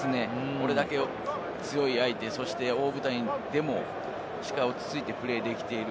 これだけ強い相手、大舞台でもしっかり落ち着いてプレーできている。